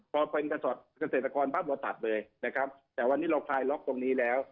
พอเป็นเกษตรกรปั๊บเราตัดเลยนะครับแต่วันนี้เราคลายล็อกตรงนี้แล้ว